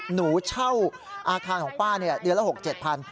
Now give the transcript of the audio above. หนูเช่าอาคารของป้าเดือนละ๖๗พัน